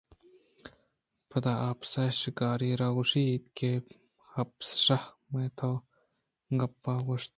پدا اپس ءَ شکاری ءَ را گوٛشت کہ ہپشاہ من ءُ تو گپت ءُ کُشت